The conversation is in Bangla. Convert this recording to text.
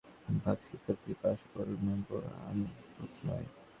এদিকে তথ্যপ্রযুক্তি বিষয়ে বেশির ভাগ শিক্ষার্থী পাস করলেও নম্বর আশানুরূপ নয়।